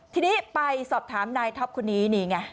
ทีนี้ไปสอบถามนายท็อปคนนี้นี่ไง